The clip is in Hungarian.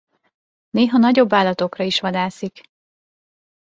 Néha nagyobb állatokra is vadászik.